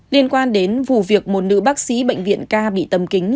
liên quan đến vụ việc một nữ bác sĩ bệnh viện ca bị tầm kính